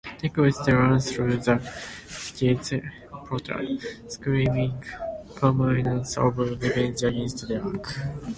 Necros is drawn through the Gate's portal, screaming promises of revenge against Drake.